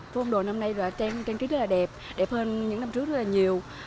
phố ông đồ năm nay trang trí rất là đẹp đẹp hơn những năm trước rất là nhiều